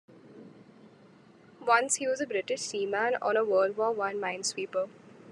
Once he was a British seaman on a World War One mine sweeper.